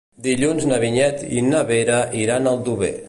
Dilluns na Vinyet i na Vera iran a Aldover.